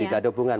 tidak ada hubungan